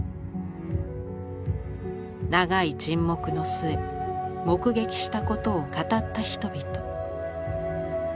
長い沈黙の末目撃したことを語った人々。